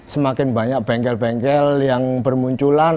semakin banyak bengkel bengkel yang bermunculan